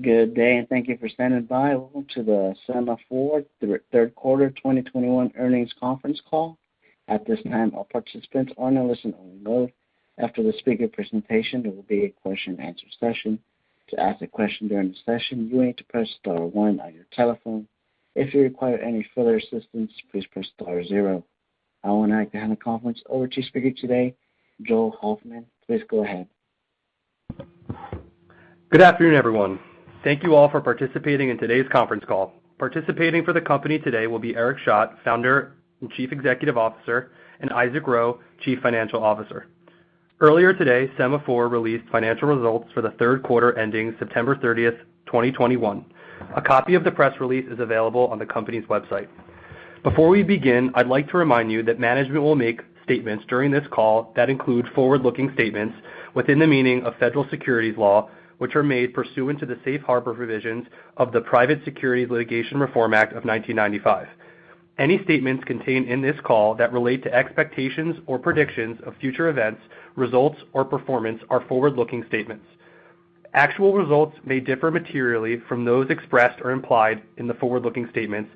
Good day, and thank you for standing by. Welcome to the Sema4 third quarter 2021 earnings conference call. At this time, all participants are in a listen-only mode. After the speaker presentation, there will be a question-and-answer session. To ask a question during the session, you need to press star one on your telephone. If you require any further assistance, please press star zero. I would now like to hand the conference over to the speaker today, Joel Hoffman. Please go ahead. Good afternoon, everyone. Thank you all for participating in today's conference call. Participating for the company today will be Eric Schadt, Founder and Chief Executive Officer, and Isaac Ro, Chief Financial Officer. Earlier today, Sema4 released financial results for the third quarter ending September 30th, 2021. A copy of the press release is available on the company's website. Before we begin, I'd like to remind you that management will make statements during this call that include forward-looking statements within the meaning of federal securities law, which are made pursuant to the safe harbor provisions of the Private Securities Litigation Reform Act of 1995. Any statements contained in this call that relate to expectations or predictions of future events, results, or performance are forward-looking statements. Actual results may differ materially from those expressed or implied in the forward-looking statements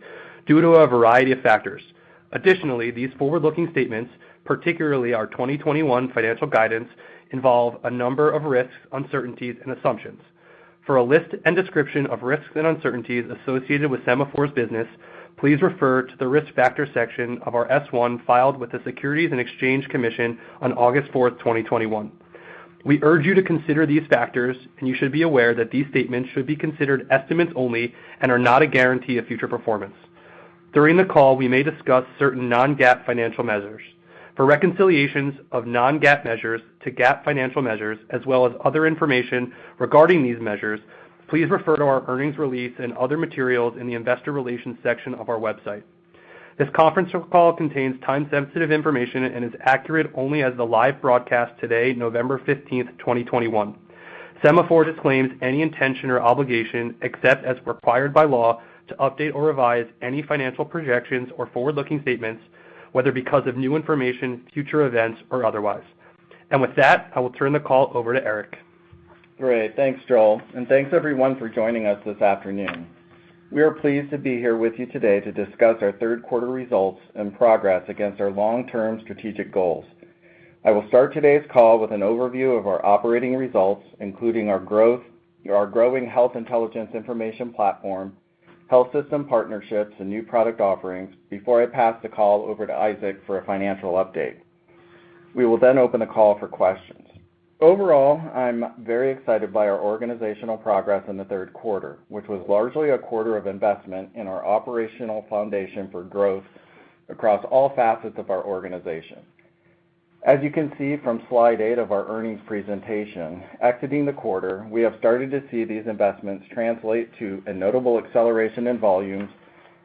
due to a variety of factors. Additionally, these forward-looking statements, particularly our 2021 financial guidance, involve a number of risks, uncertainties, and assumptions. For a list and description of risks and uncertainties associated with Sema4's business, please refer to the Risk Factors section of our S-1 filed with the Securities and Exchange Commission on August 4th, 2021. We urge you to consider these factors, and you should be aware that these statements should be considered estimates only and are not a guarantee of future performance. During the call, we may discuss certain non-GAAP financial measures. For reconciliations of non-GAAP measures to GAAP financial measures, as well as other information regarding these measures, please refer to our earnings release and other materials in the Investor Relations section of our website. This conference call contains time-sensitive information and is accurate only as of the live broadcast today, November 15th, 2021. Sema4 disclaims any intention or obligation, except as required by law, to update or revise any financial projections or forward-looking statements, whether because of new information, future events, or otherwise. With that, I will turn the call over to Eric. Great. Thanks, Joel, and thanks everyone for joining us this afternoon. We are pleased to be here with you today to discuss our third quarter results and progress against our long-term strategic goals. I will start today's call with an overview of our operating results, including our growing health intelligence information platform, health system partnerships, and new product offerings before I pass the call over to Isaac for a financial update. We will then open the call for questions. Overall, I'm very excited by our organizational progress in the third quarter, which was largely a quarter of investment in our operational foundation for growth across all facets of our organization. As you can see from slide 8 of our earnings presentation, exiting the quarter, we have started to see these investments translate to a notable acceleration in volumes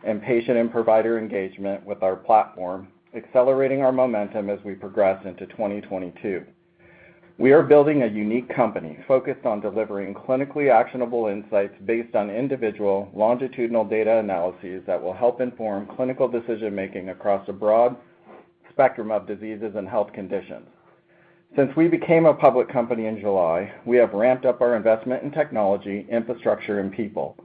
and patient and provider engagement with our platform, accelerating our momentum as we progress into 2022. We are building a unique company focused on delivering clinically actionable insights based on individual longitudinal data analyses that will help inform clinical decision-making across a broad spectrum of diseases and health conditions. Since we became a public company in July, we have ramped up our investment in technology, infrastructure, and people.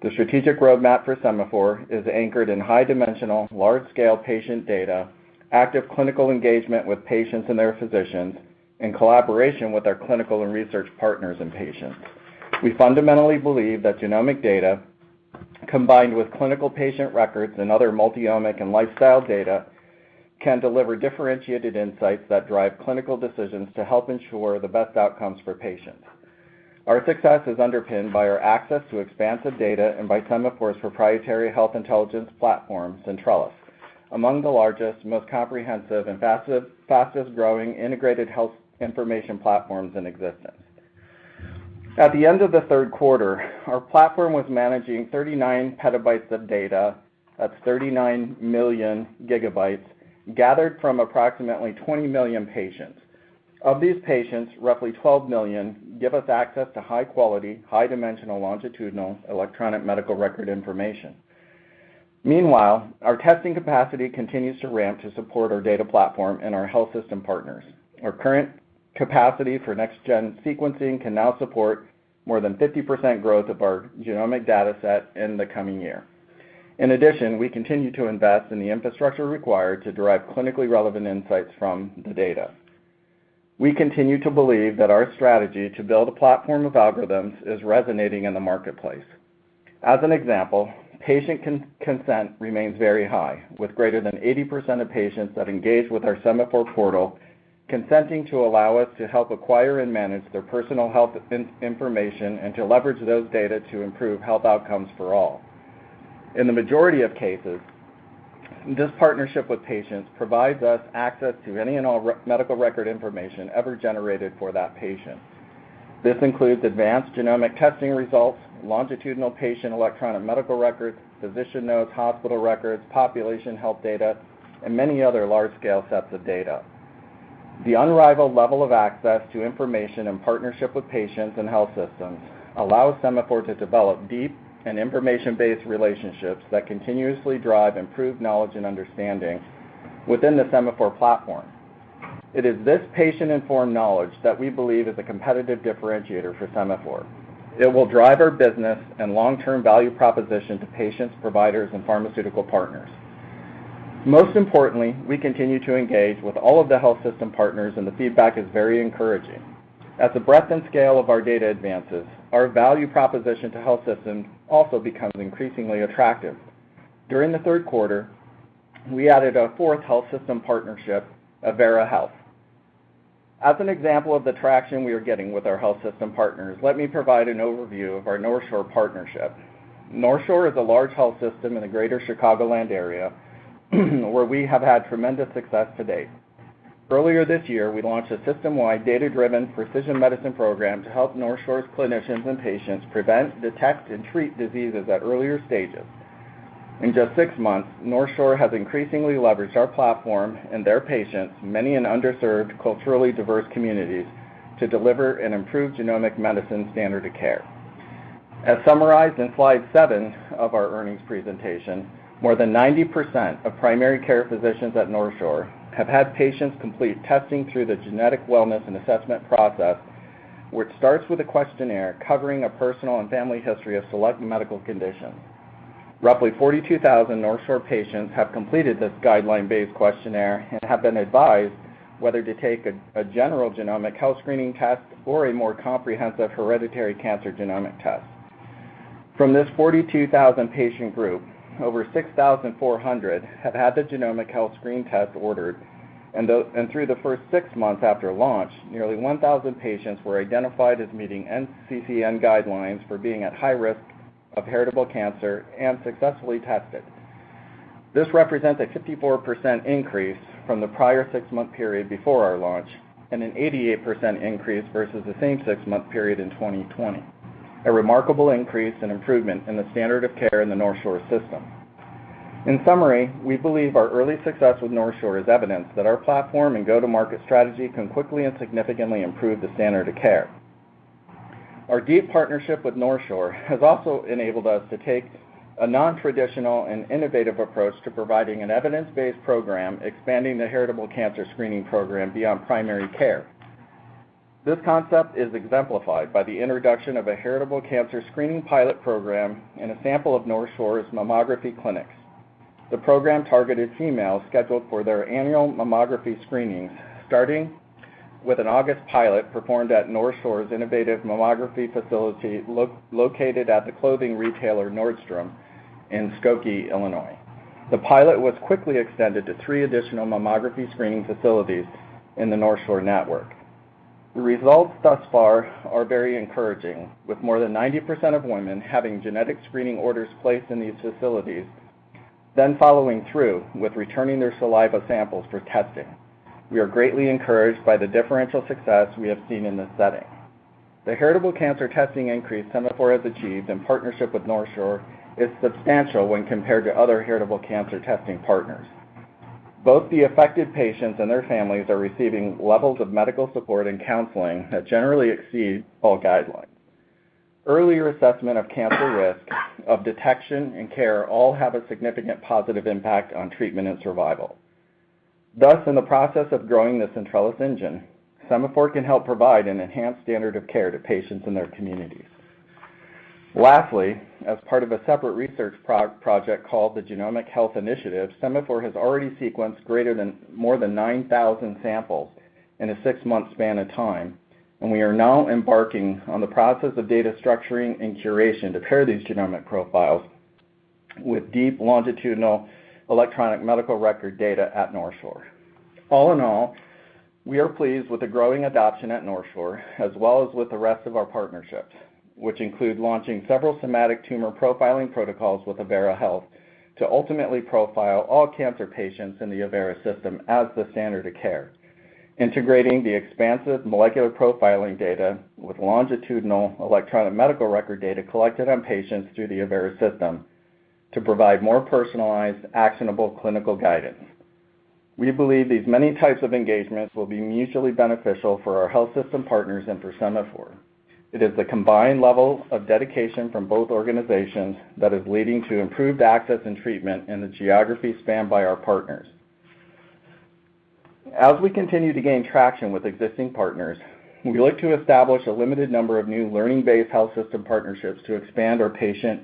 The strategic roadmap for Sema4 is anchored in high-dimensional, large-scale patient data, active clinical engagement with patients and their physicians, in collaboration with our clinical and research partners and patients. We fundamentally believe that genomic data, combined with clinical patient records and other multi-omic and lifestyle data, can deliver differentiated insights that drive clinical decisions to help ensure the best outcomes for patients. Our success is underpinned by our access to expansive data and by Sema4's proprietary health intelligence platform, Centrellis, among the largest, most comprehensive, and fastest-growing integrated health information platforms in existence. At the end of the third quarter, our platform was managing 39 PB of data. That's 39 million GB gathered from approximately 20 million patients. Of these patients, roughly 12 million give us access to high-quality, high-dimensional, longitudinal electronic medical record information. Meanwhile, our testing capacity continues to ramp to support our data platform and our health system partners. Our current capacity for next gen sequencing can now support more than 50% growth of our genomic data set in the coming year. In addition, we continue to invest in the infrastructure required to derive clinically relevant insights from the data. We continue to believe that our strategy to build a platform of algorithms is resonating in the marketplace. As an example, patient consent remains very high, with greater than 80% of patients that engage with our Sema4 portal consenting to allow us to help acquire and manage their personal health information, and to leverage those data to improve health outcomes for all. In the majority of cases, this partnership with patients provides us access to any and all medical record information ever generated for that patient. This includes advanced genomic testing results, longitudinal patient electronic medical records, physician notes, hospital records, population health data, and many other large-scale sets of data. The unrivaled level of access to information and partnership with patients and health systems allows Sema4 to develop deep and information-based relationships that continuously drive improved knowledge and understanding within the Sema4 platform. It is this patient-informed knowledge that we believe is a competitive differentiator for Sema4. It will drive our business and long-term value proposition to patients, providers, and pharmaceutical partners. Most importantly, we continue to engage with all of the health system partners, and the feedback is very encouraging. As the breadth and scale of our data advances, our value proposition to health systems also becomes increasingly attractive. During the third quarter, we added a fourth health system partnership, Avera Health. As an example of the traction we are getting with our health system partners, let me provide an overview of our NorthShore partnership. NorthShore is a large health system in the greater Chicagoland area, where we have had tremendous success to date. Earlier this year, we launched a system-wide data-driven precision medicine program to help NorthShore's clinicians and patients prevent, detect, and treat diseases at earlier stages. In just six months, NorthShore has increasingly leveraged our platform and their patients, many in underserved, culturally diverse communities, to deliver an improved genomic medicine standard of care. As summarized in slide 7 of our earnings presentation, more than 90% of primary care physicians at NorthShore have had patients complete testing through the genetic wellness and assessment process, which starts with a questionnaire covering a personal and family history of select medical conditions. Roughly 42,000 NorthShore patients have completed this guideline-based questionnaire and have been advised whether to take a general genomic health screening test or a more comprehensive hereditary cancer genomic test. From this 42,000-patient group, over 6,400 have had the genomic health screen test ordered, and through the first six months after launch, nearly 1,000 patients were identified as meeting NCCN guidelines for being at high risk of heritable cancer and successfully tested. This represents a 54% increase from the prior six-month period before our launch and an 88% increase versus the same six-month period in 2020, a remarkable increase and improvement in the standard of care in the NorthShore system. In summary, we believe our early success with NorthShore is evidence that our platform and go-to-market strategy can quickly and significantly improve the standard of care. Our deep partnership with NorthShore has also enabled us to take a non-traditional and innovative approach to providing an evidence-based program expanding the heritable cancer screening program beyond primary care. This concept is exemplified by the introduction of a heritable cancer screening pilot program in a sample of NorthShore's mammography clinics. The program targeted females scheduled for their annual mammography screenings, starting with an August pilot performed at NorthShore's innovative mammography facility located at the clothing retailer Nordstrom in Skokie, Illinois. The pilot was quickly extended to three additional mammography screening facilities in the NorthShore network. The results thus far are very encouraging, with more than 90% of women having genetic screening orders placed in these facilities, then following through with returning their saliva samples for testing. We are greatly encouraged by the differential success we have seen in this setting. The heritable cancer testing increase Sema4 has achieved in partnership with NorthShore is substantial when compared to other heritable cancer testing partners. Both the affected patients and their families are receiving levels of medical support and counseling that generally exceed all guidelines. Earlier assessment of cancer risk, of detection and care all have a significant positive impact on treatment and survival. Thus, in the process of growing the Centrellis engine, Sema4 can help provide an enhanced standard of care to patients in their communities. Lastly, as part of a separate research project called the Genomic Health Initiative, Sema4 has already sequenced more than 9,000 samples in a six-month span of time, and we are now embarking on the process of data structuring and curation to pair these genomic profiles with deep longitudinal electronic medical record data at NorthShore. All in all, we are pleased with the growing adoption at NorthShore, as well as with the rest of our partnerships, which include launching several somatic tumor profiling protocols with Avera Health to ultimately profile all cancer patients in the Avera system as the standard of care, integrating the expansive molecular profiling data with longitudinal electronic medical record data collected on patients through the Avera system to provide more personalized, actionable clinical guidance. We believe these many types of engagements will be mutually beneficial for our health system partners and for Sema4. It is the combined level of dedication from both organizations that is leading to improved access and treatment in the geography spanned by our partners. As we continue to gain traction with existing partners, we look to establish a limited number of new learning-based health system partnerships to expand our patient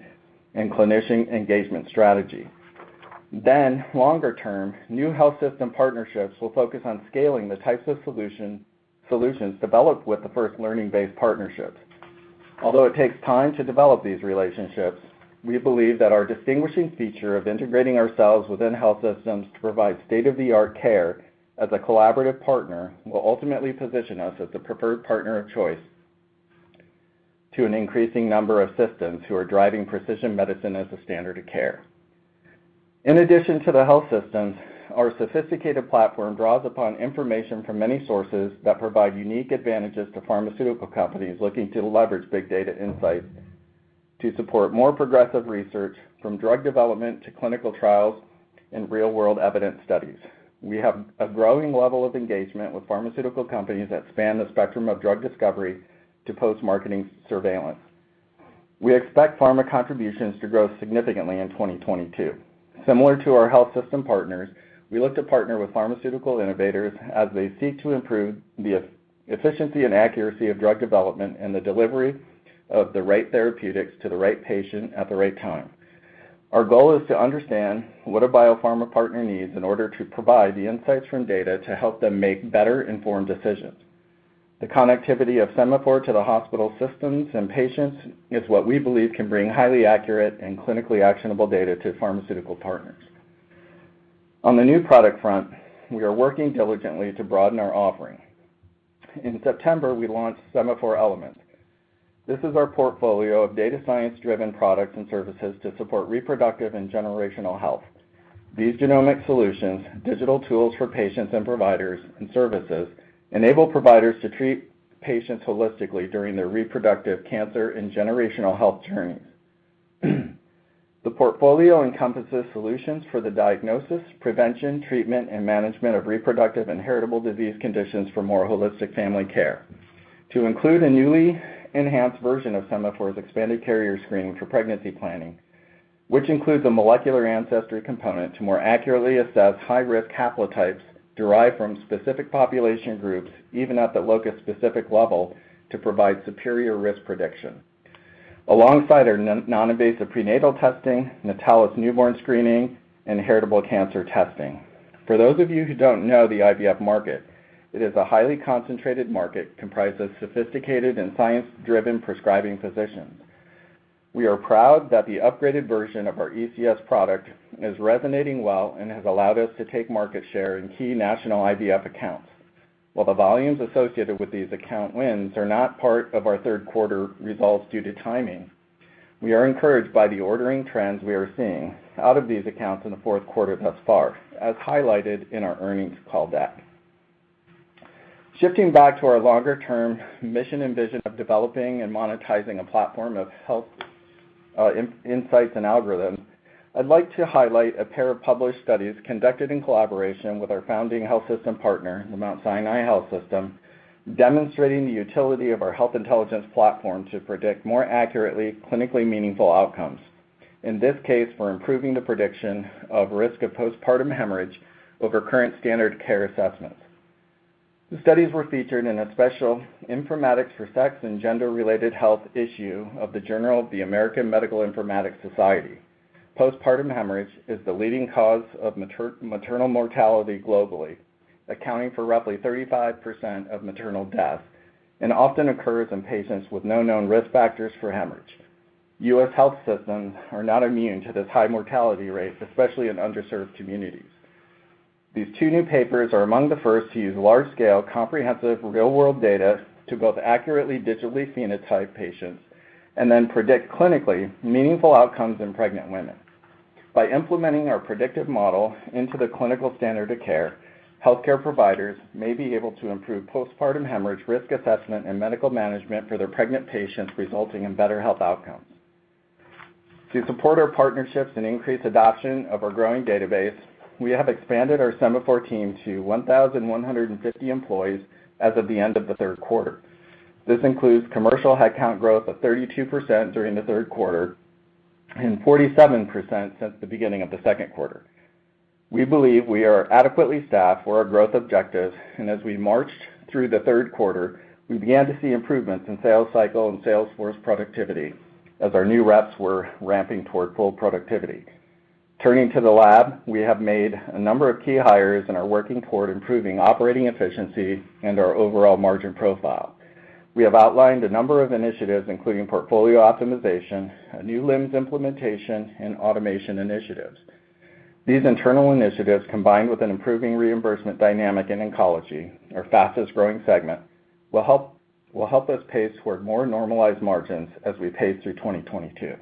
and clinician engagement strategy. Longer term, new health system partnerships will focus on scaling the types of solutions developed with the first learning-based partnership. Although it takes time to develop these relationships, we believe that our distinguishing feature of integrating ourselves within health systems to provide state-of-the-art care as a collaborative partner will ultimately position us as the preferred partner of choice to an increasing number of systems who are driving precision medicine as a standard of care. In addition to the health systems, our sophisticated platform draws upon information from many sources that provide unique advantages to pharmaceutical companies looking to leverage big data insights to support more progressive research from drug development to clinical trials and real-world evidence studies. We have a growing level of engagement with pharmaceutical companies that span the spectrum of drug discovery to post-marketing surveillance. We expect pharma contributions to grow significantly in 2022. Similar to our health system partners, we look to partner with pharmaceutical innovators as they seek to improve the efficiency and accuracy of drug development and the delivery of the right therapeutics to the right patient at the right time. Our goal is to understand what a biopharma partner needs in order to provide the insights from data to help them make better-informed decisions. The connectivity of Sema4 to the hospital systems and patients is what we believe can bring highly accurate and clinically actionable data to pharmaceutical partners. On the new product front, we are working diligently to broaden our offering. In September, we launched Sema4 Elements. This is our portfolio of data science-driven products and services to support reproductive and generational health. These genomic solutions, digital tools for patients and providers, and services enable providers to treat patients holistically during their reproductive, cancer, and generational health journeys. The portfolio encompasses solutions for the diagnosis, prevention, treatment, and management of reproductive and heritable disease conditions for more holistic family care to include a newly enhanced version of Sema4's expanded carrier screening for pregnancy planning, which includes a molecular ancestry component to more accurately assess high-risk haplotypes derived from specific population groups, even at the locus-specific level, to provide superior risk prediction alongside our non-invasive prenatal testing, Natalis newborn screening, and heritable cancer testing. For those of you who don't know the IVF market, it is a highly concentrated market comprised of sophisticated and science-driven prescribing physicians. We are proud that the upgraded version of our ECS product is resonating well and has allowed us to take market share in key national IVF accounts. While the volumes associated with these account wins are not part of our third quarter results due to timing, we are encouraged by the ordering trends we are seeing out of these accounts in the fourth quarter thus far, as highlighted in our earnings call deck. Shifting back to our longer-term mission and vision of developing and monetizing a platform of health insights and algorithms, I'd like to highlight a pair of published studies conducted in collaboration with our founding health system partner, the Mount Sinai Health System, demonstrating the utility of our health intelligence platform to predict more accurately clinically meaningful outcomes, in this case, for improving the prediction of risk of postpartum hemorrhage over current standard care assessments. The studies were featured in a special informatics for sex and gender-related health issue of the Journal of the American Medical Informatics Association. Postpartum hemorrhage is the leading cause of maternal mortality globally, accounting for roughly 35% of maternal death, and often occurs in patients with no known risk factors for hemorrhage. U.S. health systems are not immune to this high mortality rate, especially in underserved communities. These two new papers are among the first to use large-scale, comprehensive, real-world data to both accurately digitally phenotype patients and then predict clinically meaningful outcomes in pregnant women. By implementing our predictive model into the clinical standard of care, healthcare providers may be able to improve postpartum hemorrhage risk assessment and medical management for their pregnant patients, resulting in better health outcomes. To support our partnerships and increase adoption of our growing database, we have expanded our Sema4 team to 1,150 employees as of the end of the third quarter. This includes commercial headcount growth of 32% during the third quarter and 47% since the beginning of the second quarter. We believe we are adequately staffed for our growth objectives, and as we marched through the third quarter, we began to see improvements in sales cycle and sales force productivity as our new reps were ramping toward full productivity. Turning to the lab, we have made a number of key hires and are working toward improving operating efficiency and our overall margin profile. We have outlined a number of initiatives, including portfolio optimization, a new LIMS implementation, and automation initiatives. These internal initiatives, combined with an improving reimbursement dynamic in oncology, our fastest-growing segment, will help us pace toward more normalized margins as we pace through 2022.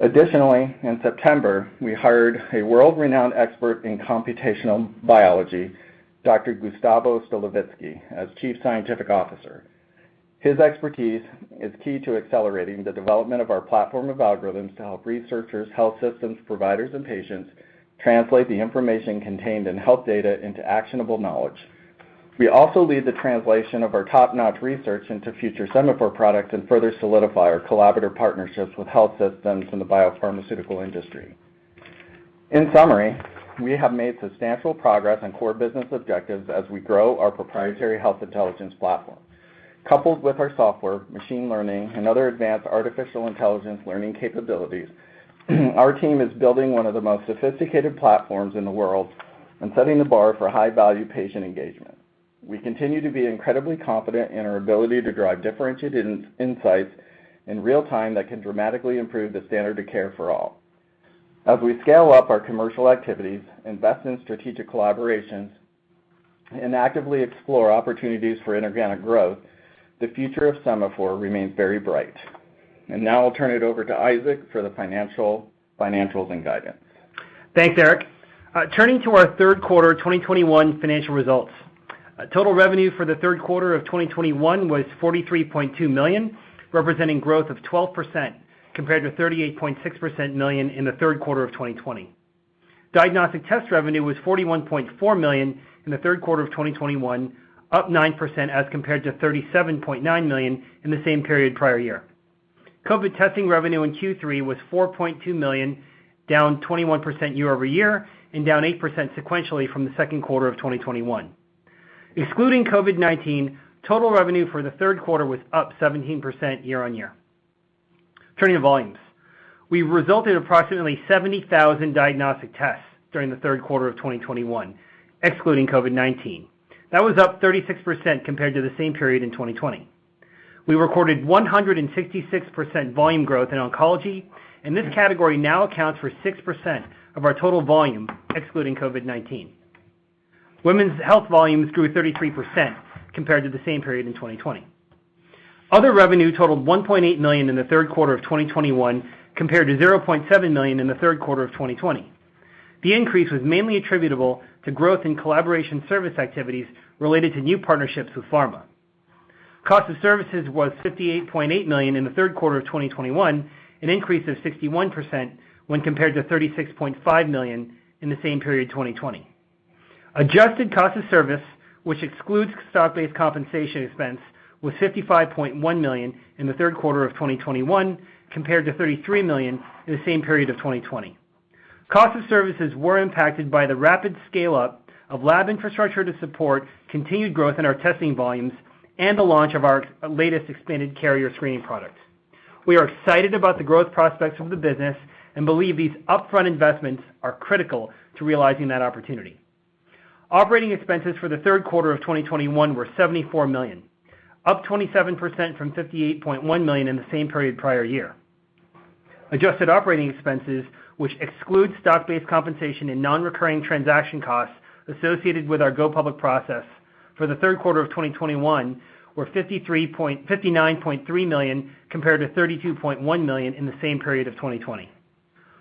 Additionally, in September, we hired a world-renowned expert in computational biology, Dr. Gustavo Stolovitzky, as Chief Scientific Officer. His expertise is key to accelerating the development of our platform of algorithms to help researchers, health systems, providers, and patients translate the information contained in health data into actionable knowledge. We also lead the translation of our top-notch research into future Sema4 products and further solidify our collaborative partnerships with health systems in the biopharmaceutical industry. In summary, we have made substantial progress on core business objectives as we grow our proprietary health intelligence platform. Coupled with our software, machine learning, and other advanced artificial intelligence learning capabilities, our team is building one of the most sophisticated platforms in the world and setting the bar for high-value patient engagement. We continue to be incredibly confident in our ability to drive differentiated in-insights in real time that can dramatically improve the standard of care for all. As we scale up our commercial activities, invest in strategic collaborations, and actively explore opportunities for inorganic growth, the future of Sema4 remains very bright. Now I'll turn it over to Isaac for the financials and guidance. Thanks, Eric. Turning to our third quarter 2021 financial results. Total revenue for the third quarter of 2021 was $43.2 million, representing growth of 12% compared to $38.6 million in the third quarter of 2020. Diagnostic test revenue was $41.4 million in the third quarter of 2021, up 9% as compared to $37.9 million in the same period prior year. COVID testing revenue in Q3 was $4.2 million, down 21% year-over-year and down 8% sequentially from the second quarter of 2021. Excluding COVID-19, total revenue for the third quarter was up 17% year-on-year. Turning to volumes. We resulted approximately 70,000 diagnostic tests during the third quarter of 2021, excluding COVID-19. That was up 36% compared to the same period in 2020. We recorded 166% volume growth in oncology, and this category now accounts for 6% of our total volume, excluding COVID-19. Women's health volumes grew 33% compared to the same period in 2020. Other revenue totaled $1.8 million in the third quarter of 2021 compared to $0.7 million in the third quarter of 2020. The increase was mainly attributable to growth in collaboration service activities related to new partnerships with pharma. Cost of services was $58.8 million in the third quarter of 2021, an increase of 61% when compared to $36.5 million in the same period, 2020. Adjusted cost of service, which excludes stock-based compensation expense, was $55.1 million in the third quarter of 2021 compared to $33 million in the same period of 2020. Cost of services were impacted by the rapid scale-up of lab infrastructure to support continued growth in our testing volumes and the launch of our latest expanded carrier screening products. We are excited about the growth prospects of the business and believe these upfront investments are critical to realizing that opportunity. Operating expenses for the third quarter of 2021 were $74 million, up 27% from $58.1 million in the same period prior year. Adjusted operating expenses, which excludes stock-based compensation and non-recurring transaction costs associated with our go public process for the third quarter of 2021, were $59.3 million compared to $32.1 million in the same period of 2020.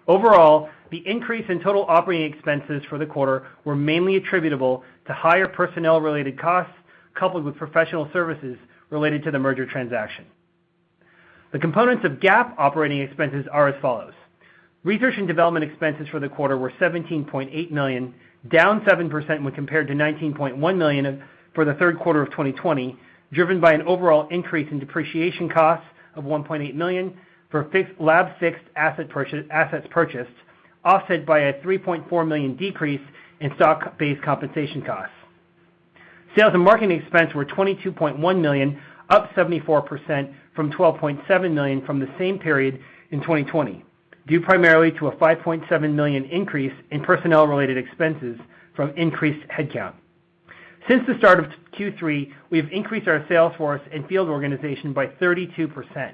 Overall, the increase in total operating expenses for the quarter were mainly attributable to higher personnel-related costs coupled with professional services related to the merger transaction. The components of GAAP operating expenses are as follows. Research and development expenses for the quarter were $17.8 million, down 7% when compared to $19.1 million for the third quarter of 2020, driven by an overall increase in depreciation costs of $1.8 million for fixed assets purchased, offset by a $3.4 million decrease in stock-based compensation costs. Sales and marketing expense were $22.1 million, up 74% from $12.7 million from the same period in 2020, due primarily to a $5.7 million increase in personnel-related expenses from increased headcount. Since the start of Q3, we've increased our sales force and field organization by 32%,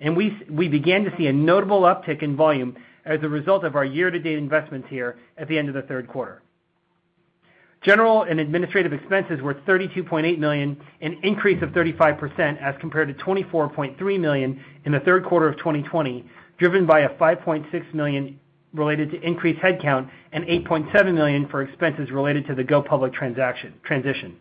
and we began to see a notable uptick in volume as a result of our year-to-date investments here at the end of the third quarter. General and administrative expenses were $32.8 million, an increase of 35% as compared to $24.3 million in the third quarter of 2020, driven by a $5.6 million related to increased headcount and $8.7 million for expenses related to the go public transaction, transition.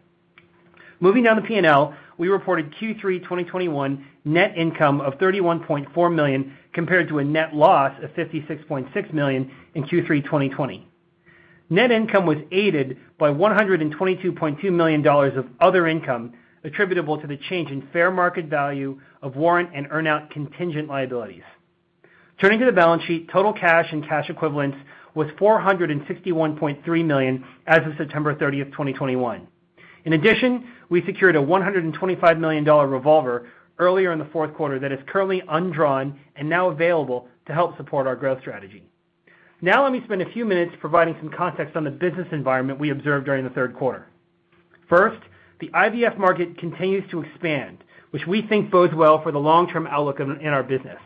Moving down the P&L, we reported Q3 2021 net income of $31.4 million, compared to a net loss of $56.6 million in Q3 2020. Net income was aided by $122.2 million of other income attributable to the change in fair market value of warrant and earn out contingent liabilities. Turning to the balance sheet, total cash and cash equivalents was $461.3 million as of September 30th, 2021. In addition, we secured a $125 million dollar revolver earlier in the fourth quarter that is currently undrawn and now available to help support our growth strategy. Now, let me spend a few minutes providing some context on the business environment we observed during the third quarter. First, the IVF market continues to expand, which we think bodes well for the long-term outlook in our business.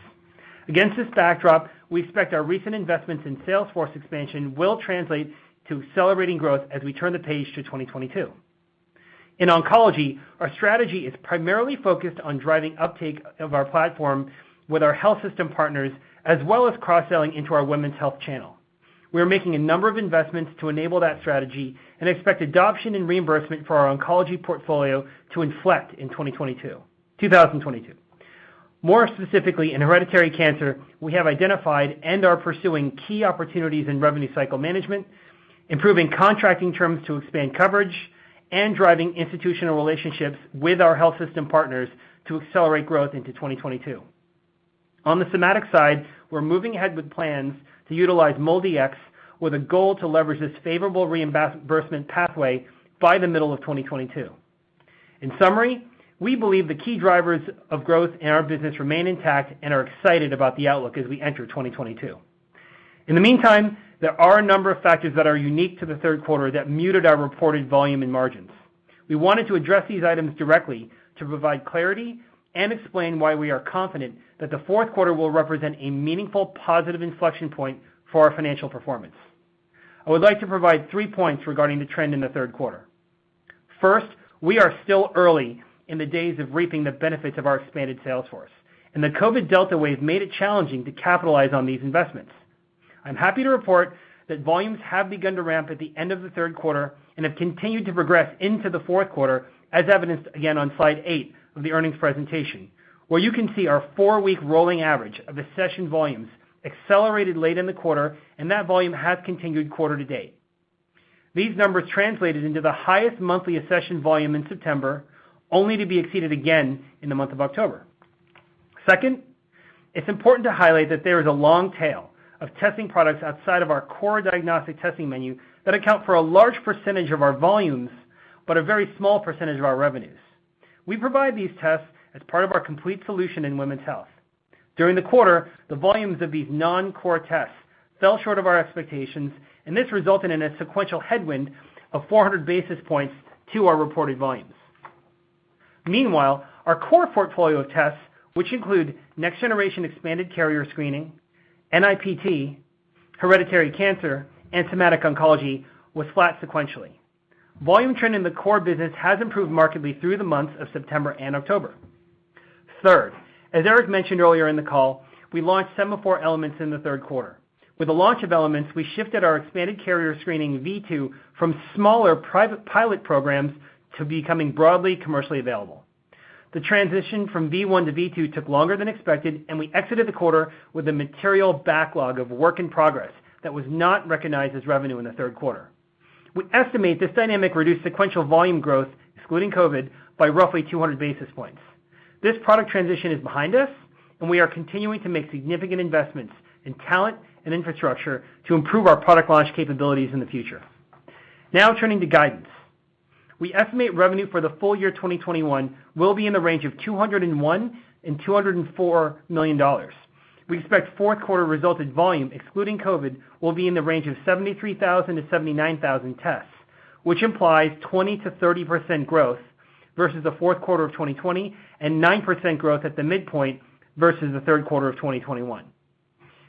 Against this backdrop, we expect our recent investments in sales force expansion will translate to accelerating growth as we turn the page to 2022. In oncology, our strategy is primarily focused on driving uptake of our platform with our health system partners as well as cross-selling into our women's health channel. We are making a number of investments to enable that strategy and expect adoption and reimbursement for our oncology portfolio to inflect in 2022. More specifically, in hereditary cancer, we have identified and are pursuing key opportunities in revenue cycle management, improving contracting terms to expand coverage, and driving institutional relationships with our health system partners to accelerate growth into 2022. On the somatic side, we're moving ahead with plans to utilize MolDX with a goal to leverage this favorable reimbursement pathway by the middle of 2022. In summary, we believe the key drivers of growth in our business remain intact and are excited about the outlook as we enter 2022. In the meantime, there are a number of factors that are unique to the third quarter that muted our reported volume and margins. We wanted to address these items directly to provide clarity and explain why we are confident that the fourth quarter will represent a meaningful positive inflection point for our financial performance. I would like to provide three points regarding the trend in the third quarter. First, we are still early in the days of reaping the benefits of our expanded sales force, and the COVID Delta wave made it challenging to capitalize on these investments. I'm happy to report that volumes have begun to ramp at the end of the third quarter and have continued to progress into the fourth quarter, as evidenced again on slide eight of the earnings presentation, where you can see our four-week rolling average of accession volumes accelerated late in the quarter, and that volume has continued quarter to date. These numbers translated into the highest monthly accession volume in September, only to be exceeded again in the month of October. Second, it's important to highlight that there is a long tail of testing products outside of our core diagnostic testing menu that account for a large percentage of our volumes, but a very small percentage of our revenues. We provide these tests as part of our complete solution in women's health. During the quarter, the volumes of these non-core tests fell short of our expectations, and this resulted in a sequential headwind of 400 basis points to our reported volumes. Meanwhile, our core portfolio of tests, which include next generation expanded carrier screening, NIPT, hereditary cancer, and somatic oncology, was flat sequentially. Volume trend in the core business has improved markedly through the months of September and October. Third, as Eric mentioned earlier in the call, we launched Sema4 Elements in the third quarter. With the launch of Elements, we shifted our expanded carrier screening V2 from smaller private pilot programs to becoming broadly commercially available. The transition from V1 to V2 took longer than expected, and we exited the quarter with a material backlog of work in progress that was not recognized as revenue in the third quarter. We estimate this dynamic reduced sequential volume growth, excluding COVID, by roughly 200 basis points. This product transition is behind us, and we are continuing to make significant investments in talent and infrastructure to improve our product launch capabilities in the future. Now turning to guidance. We estimate revenue for the full year 2021 will be in the range of $201 million-$204 million. We expect fourth quarter results in volume excluding COVID will be in the range of 73,000-79,000 tests, which implies 20%-30% growth versus the fourth quarter of 2020, and 9% growth at the midpoint versus the third quarter of 2021.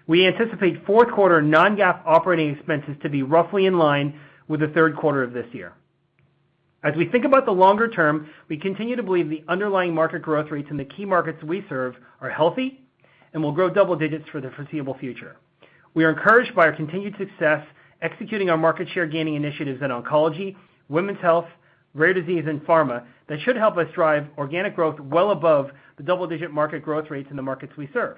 We anticipate fourth quarter non-GAAP operating expenses to be roughly in line with the third quarter of this year. As we think about the longer term, we continue to believe the underlying market growth rates in the key markets we serve are healthy and will grow double digits for the foreseeable future. We are encouraged by our continued success executing our market share gaining initiatives in oncology, women's health, rare disease, and pharma that should help us drive organic growth well above the double-digit market growth rates in the markets we serve.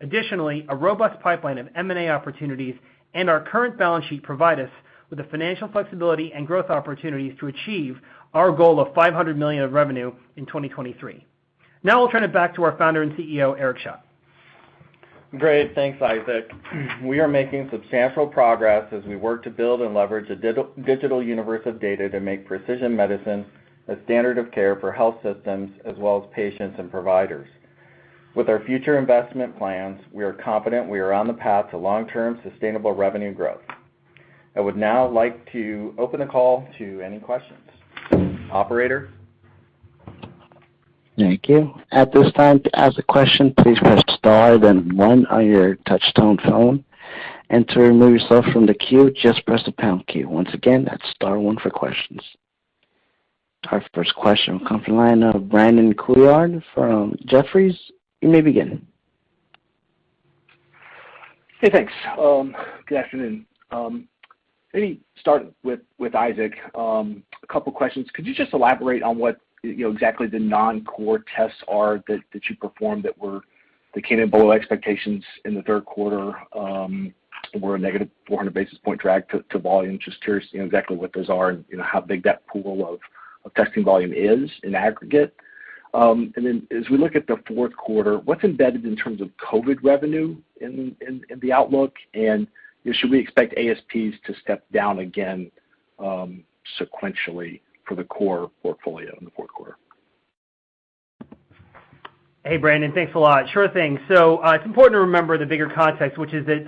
Additionally, a robust pipeline of M&A opportunities and our current balance sheet provide us with the financial flexibility and growth opportunities to achieve our goal of $500 million of revenue in 2023. Now, I'll turn it back to our Founder and CEO, Eric Schadt. Great. Thanks, Isaac. We are making substantial progress as we work to build and leverage a digital universe of data to make precision medicine a standard of care for health systems as well as patients and providers. With our future investment plans, we are confident we are on the path to long-term sustainable revenue growth. I would now like to open the call to any questions. Operator? Our first question comes from the line of Brandon Couillard from Jefferies. You may begin. Hey, thanks. Good afternoon. Maybe start with Isaac, a couple questions. Could you just elaborate on what you know exactly the non-core tests are that you performed that came in below expectations in the third quarter, were a negative 400 basis point drag to volume. Just curious, you know, exactly what those are and, you know, how big that pool of testing volume is in aggregate. As we look at the fourth quarter, what's embedded in terms of COVID revenue in the outlook, and should we expect ASPs to step down again, sequentially for the core portfolio in the fourth quarter? Hey, Brandon. Thanks a lot. Sure thing. It's important to remember the bigger context, which is that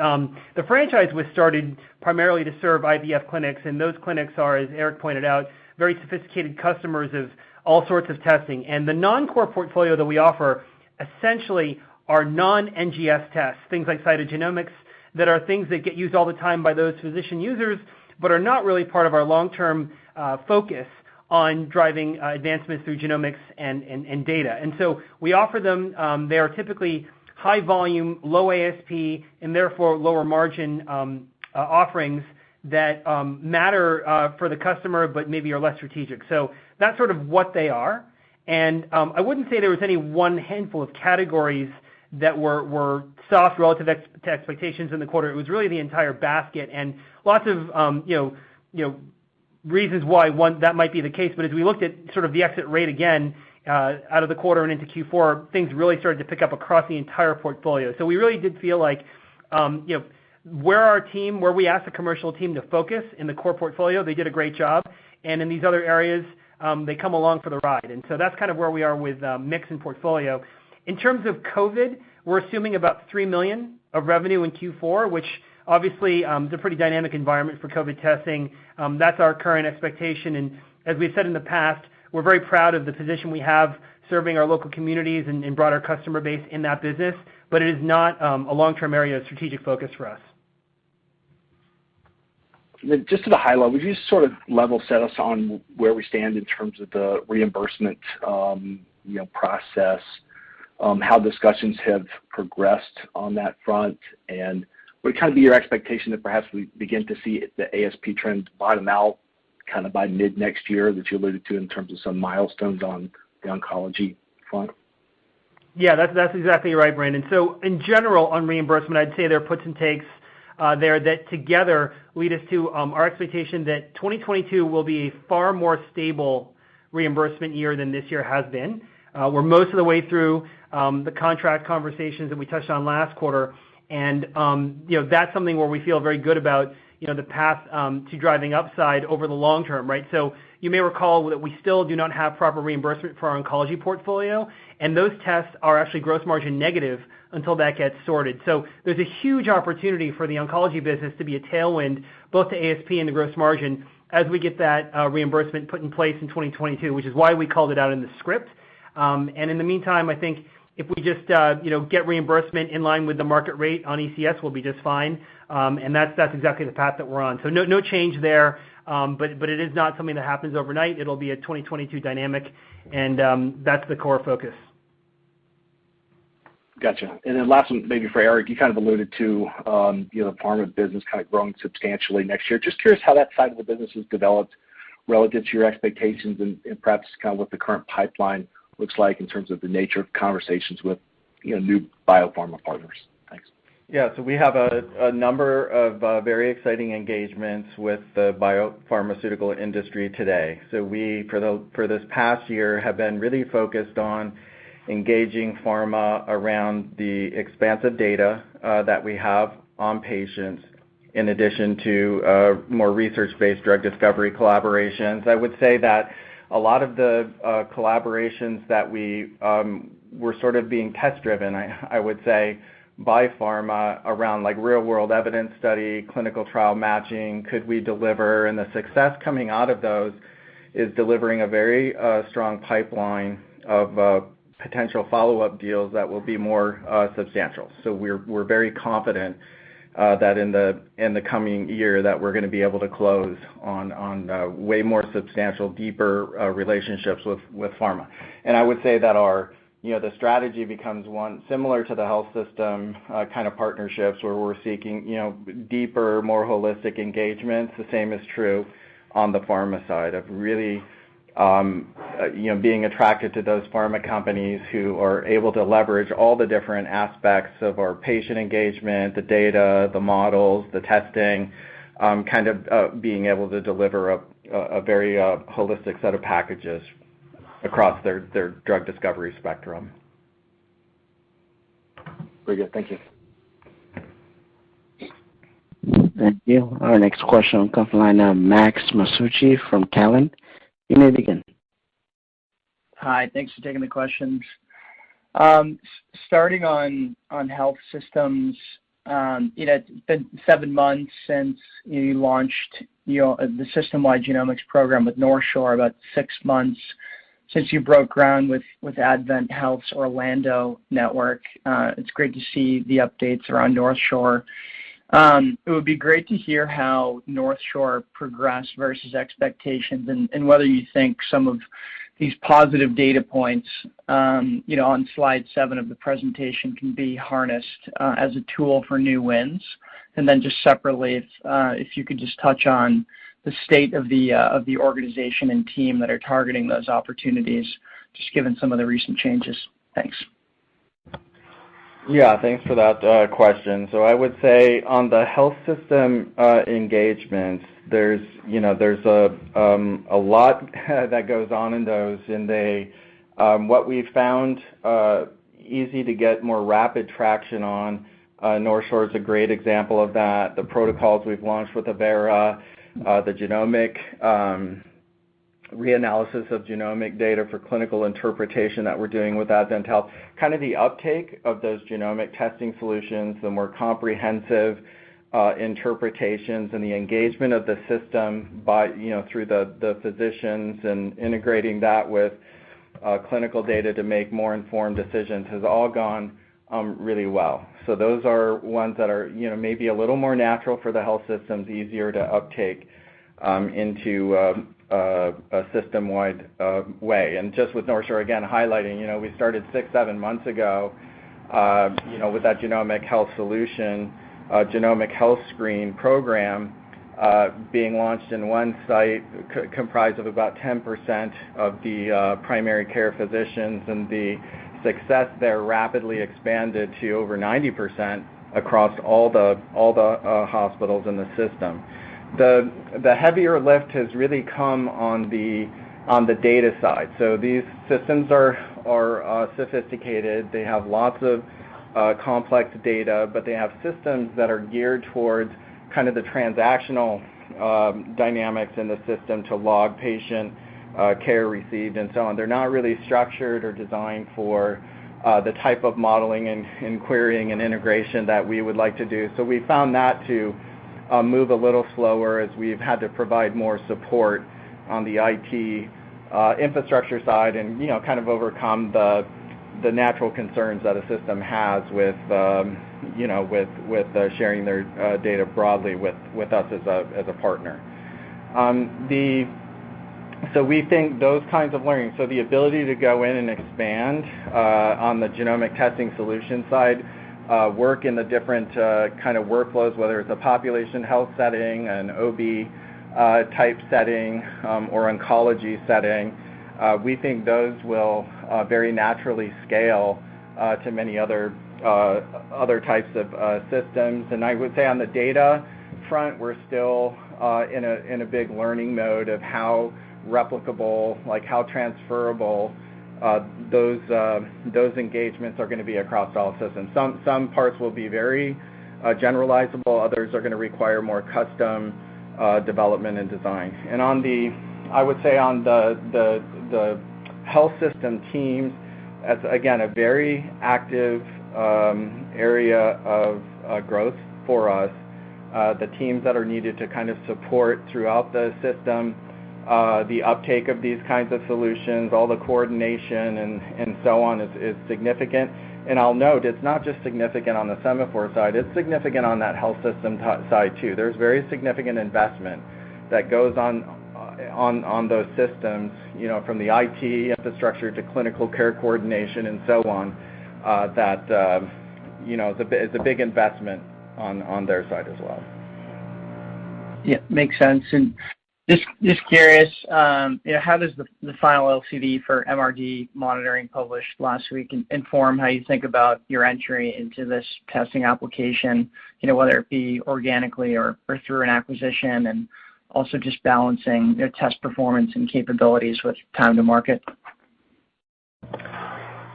the franchise was started primarily to serve IVF clinics, and those clinics are, as Eric pointed out, very sophisticated customers of all sorts of testing. The non-core portfolio that we offer essentially are non-NGS tests, things like cytogenomics, that are things that get used all the time by those physician users, but are not really part of our long-term focus on driving advancements through genomics and data. We offer them. They are typically high volume, low ASP, and therefore lower margin offerings that matter for the customer, but maybe are less strategic. That's sort of what they are. I wouldn't say there was any one handful of categories that were soft relative to expectations in the quarter. It was really the entire basket and lots of you know reasons why that might be the case. As we looked at sort of the exit rate again out of the quarter and into Q4, things really started to pick up across the entire portfolio. We really did feel like where we asked the commercial team to focus in the core portfolio, they did a great job. In these other areas, they come along for the ride. That's kind of where we are with mix and portfolio. In terms of COVID, we're assuming about $3 million of revenue in Q4, which obviously is a pretty dynamic environment for COVID testing. That's our current expectation. As we've said in the past, we're very proud of the position we have serving our local communities and broader customer base in that business, but it is not a long-term area of strategic focus for us. Just at a high level, would you just sort of level set us on where we stand in terms of the reimbursement, you know, process, how discussions have progressed on that front? Would kind of be your expectation that perhaps we begin to see the ASP trends bottom out kind of by mid-next year that you alluded to in terms of some milestones on the oncology front? Yeah, that's exactly right, Brandon. In general, on reimbursement, I'd say there are puts and takes there that together lead us to our expectation that 2022 will be a far more stable reimbursement year than this year has been. We're most of the way through the contract conversations that we touched on last quarter. You know, that's something where we feel very good about, you know, the path to driving upside over the long term, right? You may recall that we still do not have proper reimbursement for our oncology portfolio, and those tests are actually gross margin negative until that gets sorted. There's a huge opportunity for the oncology business to be a tailwind, both to ASP and the gross margin as we get that reimbursement put in place in 2022, which is why we called it out in the script. In the meantime, I think if we just you know get reimbursement in line with the market rate on ECS, we'll be just fine. That's exactly the path that we're on. No change there, but it is not something that happens overnight. It'll be a 2022 dynamic, and that's the core focus. Got that. Last one, maybe for Eric, you kind of alluded to, you know, the pharma business kind of growing substantially next year. Just curious how that side of the business has developed relative to your expectations and perhaps kind of what the current pipeline looks like in terms of the nature of conversations with, you know, new biopharma partners. Thanks. Yeah. We have a number of very exciting engagements with the biopharmaceutical industry today. We for this past year have been really focused on engaging pharma around the expansive data that we have on patients, in addition to more research-based drug discovery collaborations. I would say that a lot of the collaborations that we were sort of being test driven by pharma around like real-world evidence study, clinical trial matching, could we deliver. The success coming out of those is delivering a very strong pipeline of potential follow-up deals that will be more substantial. We're very confident that in the coming year that we're gonna be able to close on way more substantial, deeper relationships with pharma. I would say that our- You know, the strategy becomes one similar to the health system kind of partnerships where we're seeking, you know, deeper, more holistic engagements. The same is true on the pharma side of really, you know, being attracted to those pharma companies who are able to leverage all the different aspects of our patient engagement, the data, the models, the testing, kind of being able to deliver a very holistic set of packages across their drug discovery spectrum. Very good. Thank you. Thank you. Our next question will come from the line of Max Masucci from Cowen. You may begin. Hi. Thanks for taking the questions. Starting on health systems, you know, it's been seven months since you launched, you know, the system-wide genomics program with NorthShore, about six months since you broke ground with AdventHealth's Orlando network. It's great to see the updates around NorthShore. It would be great to hear how NorthShore progressed versus expectations and whether you think some of these positive data points, you know, on slide 7 of the presentation can be harnessed as a tool for new wins. Just separately, if you could just touch on the state of the organization and team that are targeting those opportunities, just given some of the recent changes. Thanks. Yeah, thanks for that, question. I would say on the health system engagement, there's, you know, a lot that goes on in those. What we've found easy to get more rapid traction on, North Shore is a great example of that. The protocols we've launched with Avera, the genomic reanalysis of genomic data for clinical interpretation that we're doing with AdventHealth. Kind of the uptake of those genomic testing solutions, the more comprehensive interpretations and the engagement of the system by, you know, through the physicians and integrating that with clinical data to make more informed decisions has all gone really well. Those are ones that are, you know, maybe a little more natural for the health systems, easier to uptake into a system-wide way. Just with NorthShore, again, highlighting, you know, we started six to seven months ago, you know, with that genomic health solution, genomic health screen program, being launched in one site comprised of about 10% of the primary care physicians. The success there rapidly expanded to over 90% across all the hospitals in the system. The heavier lift has really come on the data side. These systems are sophisticated. They have lots of complex data, but they have systems that are geared towards kind of the transactional dynamics in the system to log patient care received and so on. They're not really structured or designed for the type of modeling and querying and integration that we would like to do. We found that to move a little slower as we've had to provide more support on the IT infrastructure side and, you know, kind of overcome the natural concerns that a system has with, you know, sharing their data broadly with us as a partner. We think those kinds of learning, the ability to go in and expand on the genomic testing solution side, work in the different kind of workflows, whether it's a population health setting, an OB type setting, or oncology setting, we think those will very naturally scale to many other types of systems. I would say on the data front, we're still in a big learning mode of how replicable, like how transferable, those engagements are gonna be across all systems. Some parts will be very generalizable, others are gonna require more custom development and design. I would say on the health system teams, that's again a very active area of growth for us. The teams that are needed to kind of support throughout the system the uptake of these kinds of solutions, all the coordination and so on is significant. I'll note, it's not just significant on the Sema4 side, it's significant on that health system side too. There's very significant investment that goes on in those systems, you know, from the IT infrastructure to clinical care coordination and so on, that you know, it's a big investment on their side as well. Yeah, makes sense. Just curious, you know, how does the final LCD for MRD monitoring published last week inform how you think about your entry into this testing application, you know, whether it be organically or through an acquisition, and also just balancing your test performance and capabilities with time to market?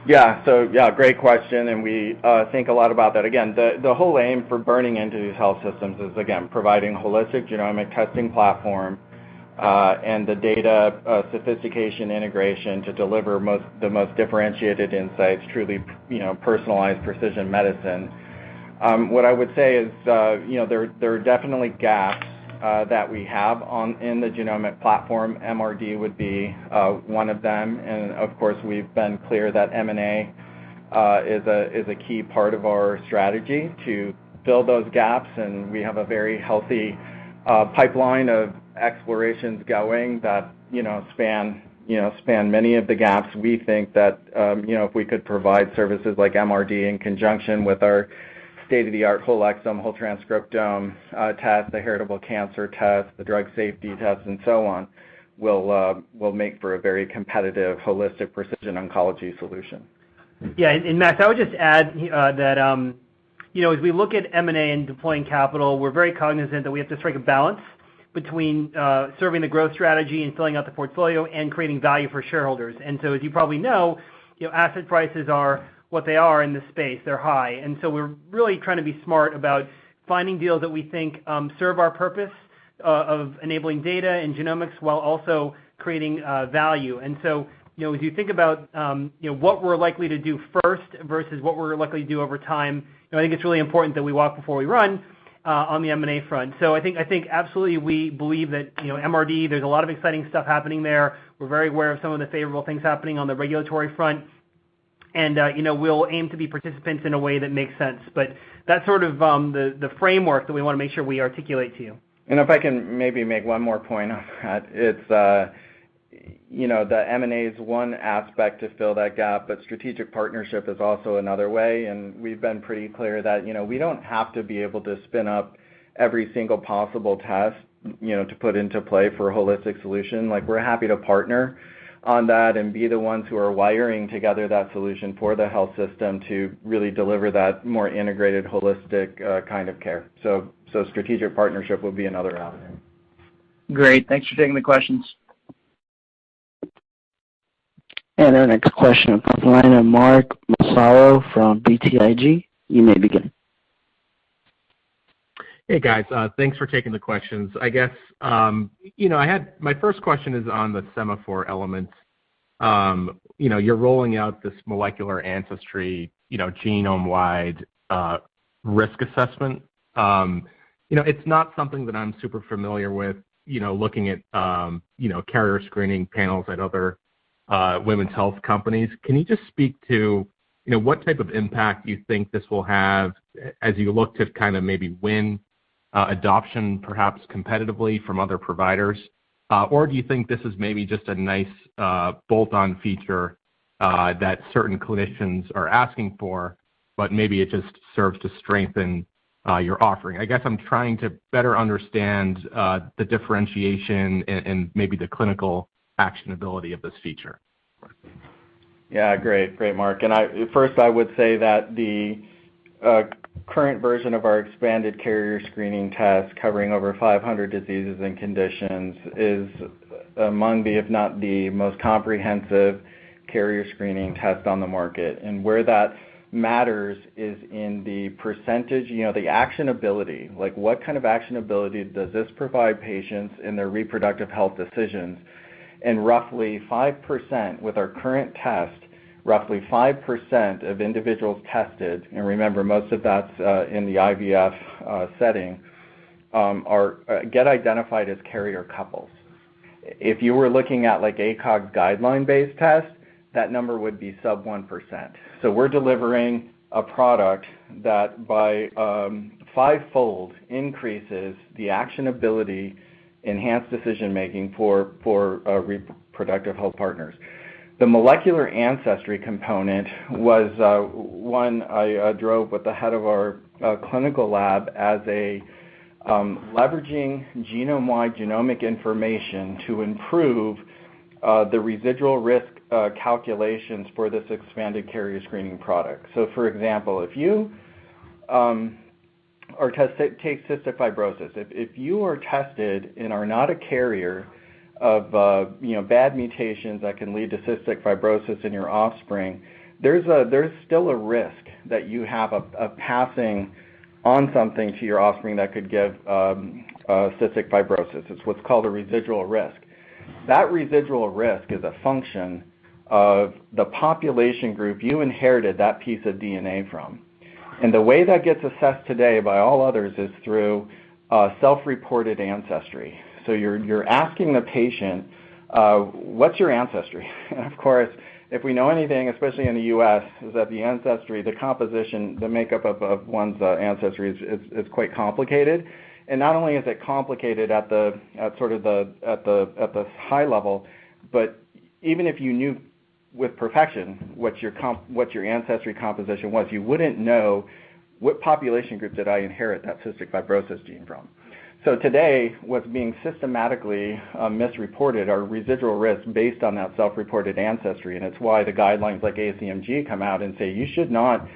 Yeah, great question, and we think a lot about that. Again, the whole aim of partnering with these health systems is, again, providing holistic genomic testing platform, and the data sophistication integration to deliver the most differentiated insights, truly, you know, personalized precision medicine. What I would say is, you know, there are definitely gaps that we have in the genomic platform. MRD would be one of them. Of course, we've been clear that M&A is a key part of our strategy to fill those gaps, and we have a very healthy pipeline of explorations going that you know span many of the gaps. We think that, you know, if we could provide services like MRD in conjunction with our state-of-the-art whole exome, whole transcriptome, tests, the heritable cancer tests, the drug safety tests and so on, will make for a very competitive holistic precision oncology solution. Yeah, Max, I would just add that you know, as we look at M&A and deploying capital, we're very cognizant that we have to strike a balance between serving the growth strategy and filling out the portfolio and creating value for shareholders. As you probably know, you know, asset prices are what they are in this space. They're high. We're really trying to be smart about finding deals that we think serve our purpose of enabling data and genomics while also creating value. You know, as you think about you know, what we're likely to do first versus what we're likely to do over time, you know, I think it's really important that we walk before we run on the M&A front. I think absolutely we believe that, you know, MRD, there's a lot of exciting stuff happening there. We're very aware of some of the favorable things happening on the regulatory front. You know, we'll aim to be participants in a way that makes sense, but that's sort of, the framework that we wanna make sure we articulate to you. If I can maybe make one more point on that. It's, you know, the M&A is one aspect to fill that gap, but strategic partnership is also another way. We've been pretty clear that, you know, we don't have to be able to spin up every single possible test, you know, to put into play for a holistic solution. Like, we're happy to partner on that and be the ones who are wiring together that solution for the health system to really deliver that more integrated, holistic, kind of care. Strategic partnership would be another avenue. Great. Thanks for taking the questions. Our next question on the line of Mark Massaro from BTIG. You may begin. Hey, guys. Thanks for taking the questions. I guess, you know, my first question is on the Sema4 Elements. You know, you're rolling out this molecular ancestry, you know, genome-wide risk assessment. You know, it's not something that I'm super familiar with, you know, looking at, you know, carrier screening panels at other women's health companies. Can you just speak to, you know, what type of impact you think this will have as you look to kind of maybe win adoption perhaps competitively from other providers? Or do you think this is maybe just a nice bolt-on feature that certain clinicians are asking for, but maybe it just serves to strengthen your offering? I guess I'm trying to better understand the differentiation and maybe the clinical actionability of this feature. Yeah, great. Great, Mark. First, I would say that the current version of our expanded carrier screening test covering over 500 diseases and conditions is among the, if not the most comprehensive carrier screening test on the market. Where that matters is in the percentage, you know, the actionability, like what kind of actionability does this provide patients in their reproductive health decisions. Roughly 5% with our current test, roughly 5% of individuals tested, and remember, most of that's in the IVF setting, are get identified as carrier couples. If you were looking at like ACOG guideline-based tests. That number would be sub 1%. We're delivering a product that by fivefold increases the actionability, enhanced decision-making for reproductive health partners. The molecular ancestry component was one I drove with the head of our clinical lab as a leveraging genome-wide genomic information to improve the residual risk calculations for this expanded carrier screening product. For example, if you take cystic fibrosis. If you are tested and are not a carrier of you know bad mutations that can lead to cystic fibrosis in your offspring, there's still a risk that you have a passing on something to your offspring that could give cystic fibrosis. It's what's called a residual risk. That residual risk is a function of the population group you inherited that piece of DNA from. The way that gets assessed today by all others is through self-reported ancestry. You're asking the patient, "What's your ancestry?" Of course, if we know anything, especially in the U.S., is that the ancestry, the composition, the makeup of one's ancestry is quite complicated. Not only is it complicated at the high level, but even if you knew with perfection what your ancestry composition was, you wouldn't know what population group did I inherit that cystic fibrosis gene from. Today, what's being systematically misreported are residual risks based on that self-reported ancestry, and it's why the guidelines like ACMG come out and say you should not,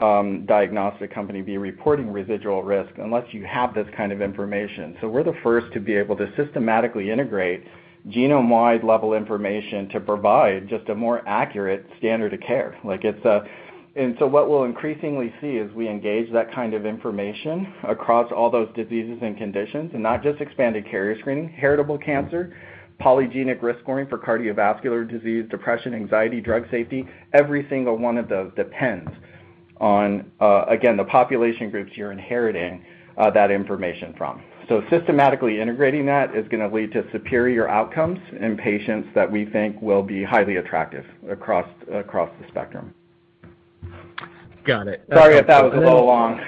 diagnostic company, be reporting residual risk unless you have this kind of information. We're the first to be able to systematically integrate genome-wide level information to provide just a more accurate standard of care. What we'll increasingly see as we engage that kind of information across all those diseases and conditions, and not just expanded carrier screening, heritable cancer, polygenic risk scoring for cardiovascular disease, depression, anxiety, drug safety, every single one of those depends on, again, the population groups you're inheriting that information from. Systematically integrating that is gonna lead to superior outcomes in patients that we think will be highly attractive across the spectrum. Got it. Sorry if that was a little long.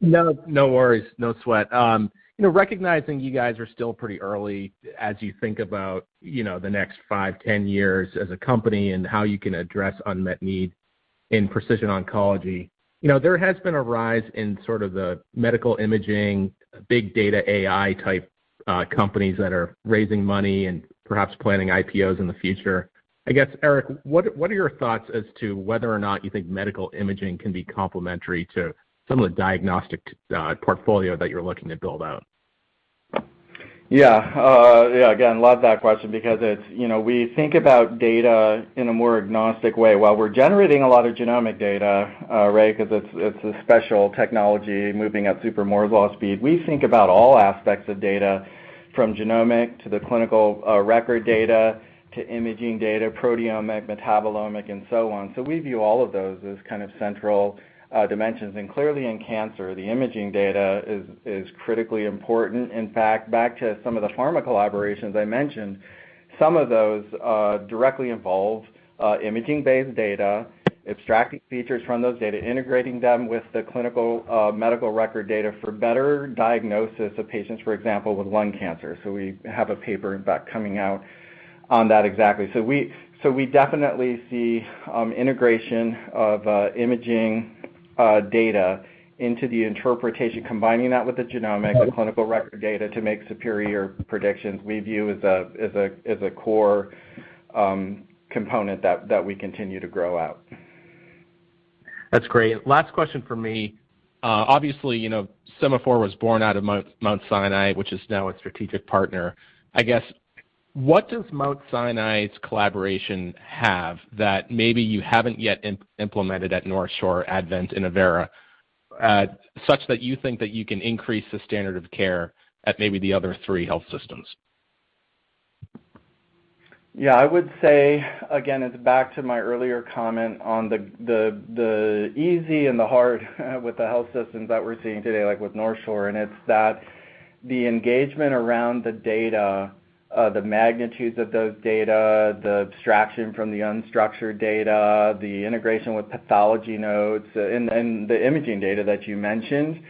No, no worries. No sweat. You know, recognizing you guys are still pretty early as you think about, you know, the next five, 10 years as a company and how you can address unmet need in precision oncology, you know, there has been a rise in sort of the medical imaging, big data AI type companies that are raising money and perhaps planning IPOs in the future. I guess, Eric, what are your thoughts as to whether or not you think medical imaging can be complementary to some of the diagnostic portfolio that you're looking to build out? Yeah. yeah, again, love that question because it's. You know, we think about data in a more agnostic way. While we're generating a lot of genomic data, Ray, 'cause it's a special technology moving at super Moore's Law speed, we think about all aspects of data from genomic to the clinical record data, to imaging data, proteomic, metabolomic and so on. So we view all of those as kind of central dimensions. Clearly in cancer, the imaging data is critically important. In fact, back to some of the pharma collaborations I mentioned, some of those directly involve imaging-based data, extracting features from those data, integrating them with the clinical medical record data for better diagnosis of patients, for example, with lung cancer. So we have a paper in fact coming out on that exactly. We definitely see integration of imaging data into the interpretation. Combining that with the genomic, the clinical record data to make superior predictions, we view as a core component that we continue to grow out. That's great. Last question from me. Obviously, you know, Sema4 was born out of Mount Sinai, which is now a strategic partner. I guess, what does Mount Sinai's collaboration have that maybe you haven't yet implemented at NorthShore, Advent, Inova, such that you think that you can increase the standard of care at maybe the other three health systems? Yeah. I would say, again, it's back to my earlier comment on the easy and the hard with the health systems that we're seeing today, like with NorthShore, and it's that the engagement around the data, the magnitudes of those data, the abstraction from the unstructured data, the integration with pathology nodes, and the imaging data that you mentioned,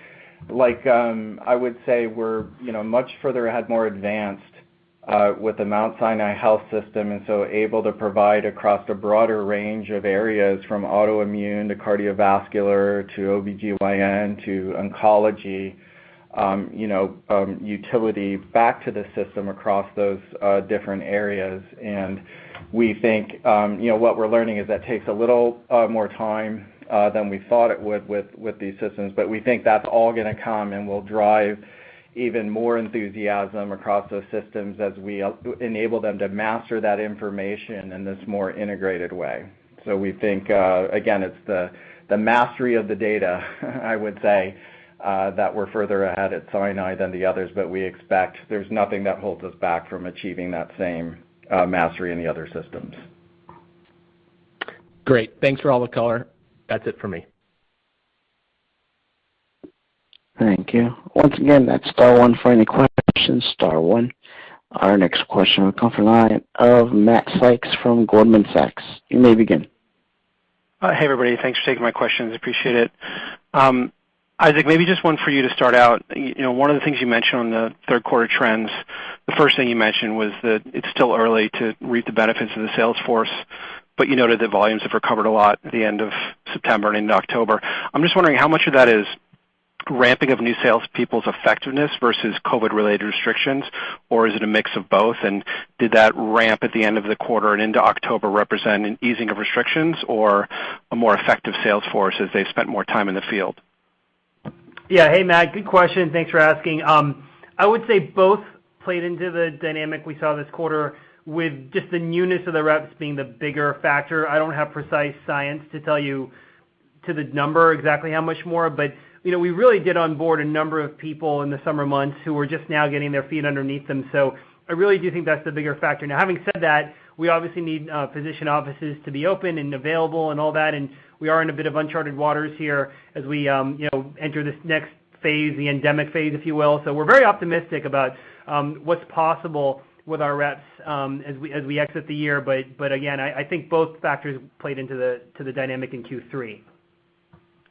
like, I would say we're, you know, much further ahead, more advanced, with the Mount Sinai Health System, and so able to provide across a broader range of areas from autoimmune, to cardiovascular, to OBGYN, to oncology, you know, utility back to the system across those different areas. We think, you know, what we're learning is that takes a little more time than we thought it would with these systems. We think that's all gonna come and will drive even more enthusiasm across those systems as we enable them to master that information in this more integrated way. We think, again, it's the mastery of the data, I would say, that we're further ahead at Sinai than the others, but we expect there's nothing that holds us back from achieving that same mastery in the other systems. Great. Thanks for all the color. That's it for me. Thank you. Once again, that's star one for any questions, star one. Our next question will come from the line of Matthew Sykes from Goldman Sachs. You may begin. Hey, everybody. Thanks for taking my questions. Appreciate it. Isaac, maybe just one for you to start out. You know, one of the things you mentioned on the third quarter trends, the first thing you mentioned was that it's still early to reap the benefits of the sales force, but you noted that volumes have recovered a lot at the end of September and into October. I'm just wondering how much of that is ramping of new salespeople's effectiveness versus COVID-related restrictions, or is it a mix of both? Did that ramp at the end of the quarter and into October represent an easing of restrictions or a more effective sales force as they spent more time in the field? Yeah. Hey, Max, good question. Thanks for asking. I would say both played into the dynamic we saw this quarter with just the newness of the reps being the bigger factor. I don't have precise science to tell you to the number exactly how much more, but, you know, we really did onboard a number of people in the summer months who are just now getting their feet underneath them. So I really do think that's the bigger factor. Now, having said that, we obviously need physician offices to be open and available and all that, and we are in a bit of uncharted waters here as we, you know, enter this next phase, the endemic phase, if you will. So we're very optimistic about what's possible with our reps as we exit the year. Again, I think both factors played into the dynamic in Q3.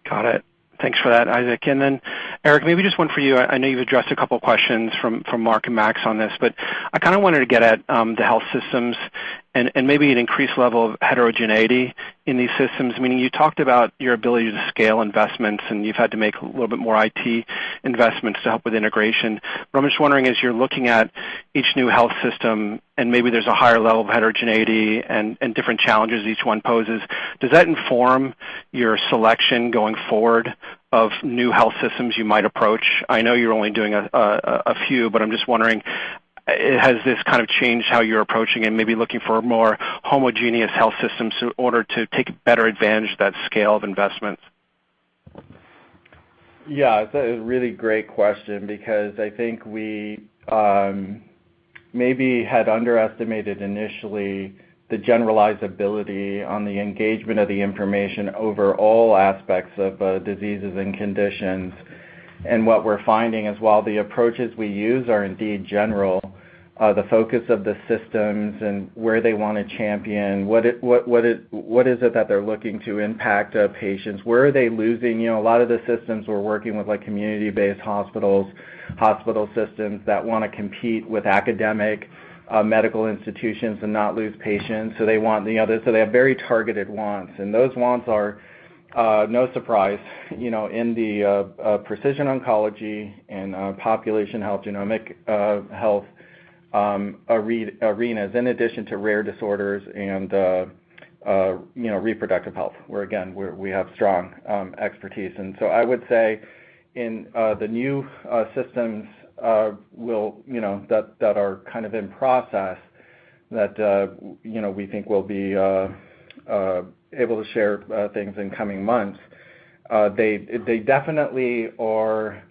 Got it. Thanks for that, Isaac. Then, Eric, maybe just one for you. I know you've addressed a couple questions from Mark and Max on this, but I kinda wanted to get at the health systems and maybe an increased level of heterogeneity in these systems, meaning you talked about your ability to scale investments, and you've had to make a little bit more IT investments to help with integration. I'm just wondering, as you're looking at each new health system and maybe there's a higher level of heterogeneity and different challenges each one poses, does that inform your selection going forward of new health systems you might approach? I know you're only doing a few, but I'm just wondering, has this kind of changed how you're approaching and maybe looking for a more homogeneous health systems in order to take better advantage of that scale of investment? Yeah. That is a really great question because I think we maybe had underestimated initially the generalizability on the engagement of the information over all aspects of diseases and conditions. What we're finding is while the approaches we use are indeed general, the focus of the systems and where they wanna champion, what is it that they're looking to impact, patients, where are they losing? You know, a lot of the systems we're working with, like community-based hospitals, hospital systems that wanna compete with academic medical institutions and not lose patients. They have very targeted wants, and those wants are, no surprise, you know, in the precision oncology and population health, genomic health arenas in addition to rare disorders and, you know, reproductive health, where again, we have strong expertise. I would say in the new systems, you know, that are kind of in process that, you know, we think we'll be able to share things in coming months. They definitely are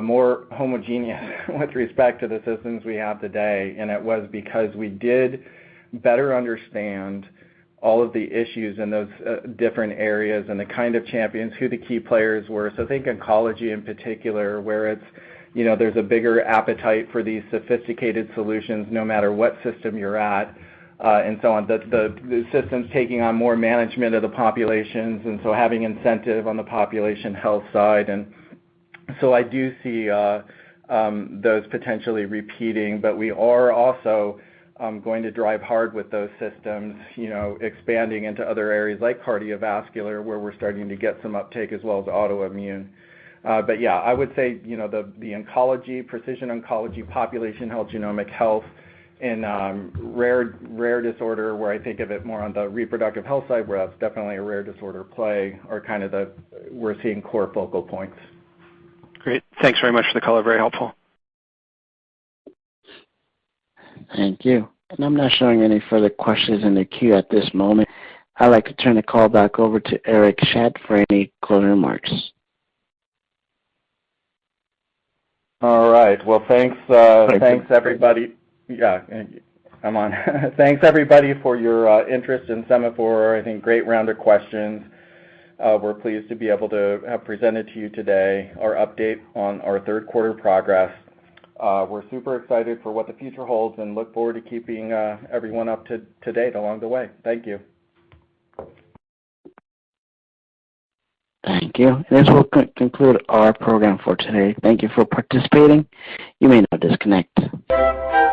more homogeneous with respect to the systems we have today, and it was because we did better understand all of the issues in those different areas and the kind of champions, who the key players were. Think oncology in particular, where it's you know, there's a bigger appetite for these sophisticated solutions no matter what system you're at, and so on. The system's taking on more management of the populations, and so having incentive on the population health side. I do see those potentially repeating, but we are also going to drive hard with those systems, you know, expanding into other areas like cardiovascular, where we're starting to get some uptake, as well as autoimmune. Yeah, I would say, you know, the oncology, precision oncology, population health, genomic health and rare disorder where I think of it more on the reproductive health side where that's definitely a rare disorder play are kind of the core focal points we're seeing. Great. Thanks very much for the color. Very helpful. Thank you. I'm not showing any further questions in the queue at this moment. I'd like to turn the call back over to Eric Schadt for any closing remarks. All right. Well, thanks, everybody. Yeah, I'm on. Thanks, everybody, for your interest in Sema4. I think great round of questions. We're pleased to be able to have presented to you today our update on our third quarter progress. We're super excited for what the future holds and look forward to keeping everyone up to date along the way. Thank you. Thank you. This will conclude our program for today. Thank you for participating. You may now disconnect.